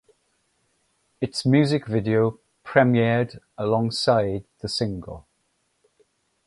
Its music video premiered alongside the single.